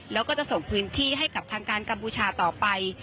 แล้วก็จะส่งพื้นที่ให้กับทางการกัมพูชาต่อไป